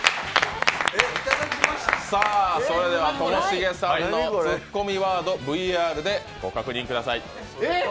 それではともしげさんのツッコミワード、ＶＲでご確認ください。